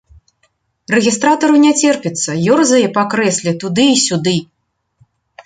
Рэгістратару не цярпіцца, ёрзае па крэсле туды і сюды.